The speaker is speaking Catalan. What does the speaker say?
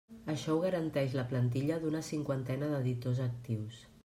Això ho garanteix la plantilla d'una cinquantena d'editors actius.